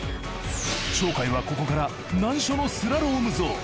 鳥海はここから難所のスラロームゾーン。